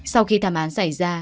sau khi thảm án xảy ra